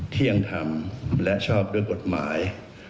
ที่ยังทำและชอบด้วยกฎหมาย